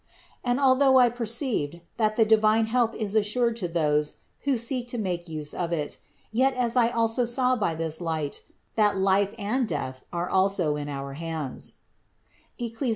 And although I perceived, that the divine help is assured to those who seek to make use of it, yet as I also saw by this light, that life and death are in our hands (Eccli.